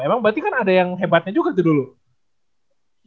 emang berarti kan ada yang hebatnya juga tuh dulu